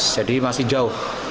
jadi masih jauh